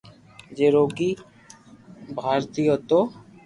جو روگي ڀآيارتي ھتو